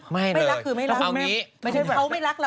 ไม่รักคือไม่รัก